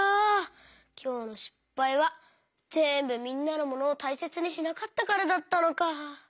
きょうのしっぱいはぜんぶみんなのモノをたいせつにしなかったからだったのか。